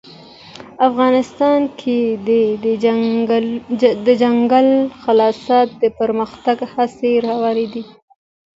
افغانستان کې د دځنګل حاصلات د پرمختګ هڅې روانې دي.